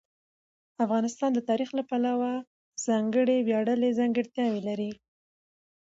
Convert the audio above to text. افغانستان د تاریخ له پلوه خپله ځانګړې ویاړلې ځانګړتیاوې لري.